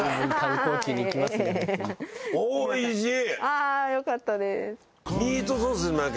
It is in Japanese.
ああーよかったです。